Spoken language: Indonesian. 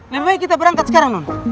lebih baik kita berangkat sekarang bang